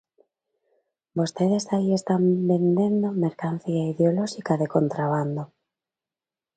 Vostedes aí están vendendo mercancía ideolóxica de contrabando.